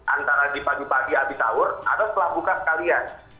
antara di pagi pagi abis awur atau setelah buka sekalian